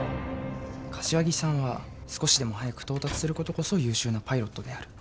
柏木さんは少しでも早く到達することこそ優秀なパイロットである。